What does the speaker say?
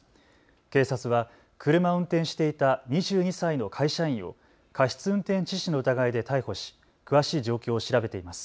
警察は車を運転していた２２歳の会社員を過失運転致死の疑いで逮捕し詳しい状況を調べています。